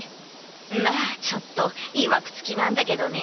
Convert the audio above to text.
まあちょっといわく付きなんだけどね。